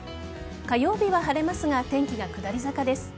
火曜日は晴れますが天気が下り坂です。